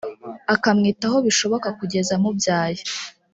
akamwitaho bishoboka kugeza amubyaye